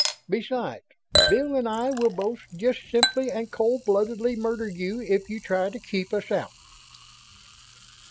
Besides, Bill and I will both just simply and cold bloodedly murder you if you try to keep us out."